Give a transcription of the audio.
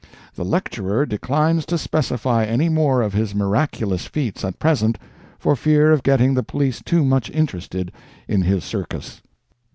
"The lecturer declines to specify any more of his miraculous feats at present, for fear of getting the police too much interested in his circus."